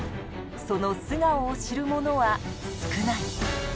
その素顔を知るものは少ない。